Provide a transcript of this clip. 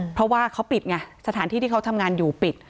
เพราะว่าเขาปิดไงสถานที่ที่เขาทำงานอยู่ปิด